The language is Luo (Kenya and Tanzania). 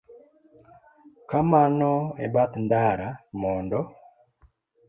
Kamano e bath ndara mondo